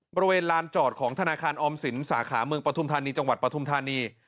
บริเวณลานจอดของธนาคารออมศิลป์สาขาเมืองประธุมธนีย์จังหวัดประธุมธนีย์